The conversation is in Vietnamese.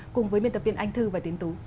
cùng với biên tập viên anh thư và tiến tú